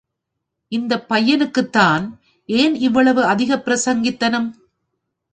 இந்தப் பையனுக்குத்தான் ஏன் இவ்வளவு அதிகப்பிரசங்கித்தனம்.